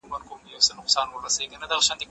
ايا ته سپينکۍ مينځې